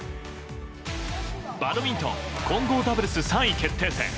バドミントン混合ダブルス３位決定戦。